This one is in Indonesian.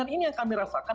ini yang kami rasakan